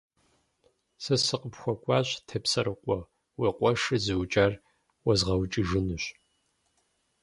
Сэ сыкъыпхуэкӀуащ, Тепсэрыкъуэ, уи къуэшыр зыукӀар уэзгъэукӀыжынущ.